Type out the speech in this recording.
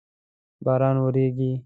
باران وریږی